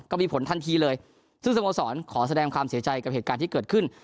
ก็มีผลทันทีเลยซึ่งสโมสรขอแสดงความเสียใจกับเหตุการณ์ที่เกิดขึ้น